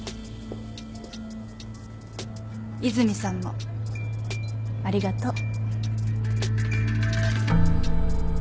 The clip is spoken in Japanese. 和泉さんもありがとう。